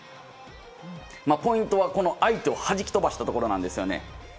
ポイントは、相手を弾き飛ばしたところなんです。